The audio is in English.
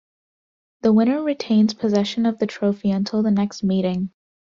The winner retains possession of the trophy until the next meeting.